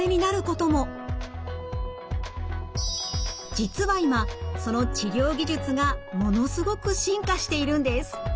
実は今その治療技術がものすごく進化しているんです。